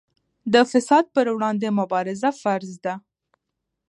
د فساد پر وړاندې مبارزه فرض ده.